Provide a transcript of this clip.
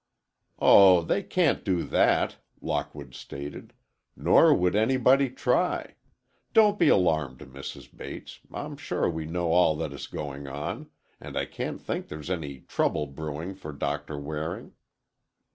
"Oh, they can't do that," Lockwood stated; "nor would anybody try. Don't be alarmed, Mrs. Bates. I'm sure we know all that's going on,—and I can't think there's any 'trouble brewing' for Doctor Waring."